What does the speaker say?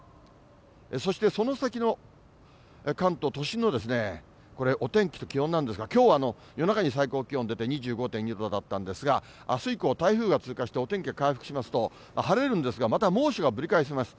そしてその先の関東、都心のこれ、お天気と気温なんですが、きょうは夜中に最高気温出て、２５．２度だったんですが、あす以降、台風が通過してお天気が回復しますと、晴れるんですが、また猛暑がぶり返します。